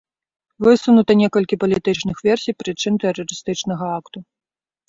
Высунута некалькі палітычных версій прычын тэрарыстычнага акту.